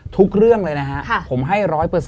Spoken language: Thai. ทุกเรื่องเลยนะฮะผมให้๑๐๐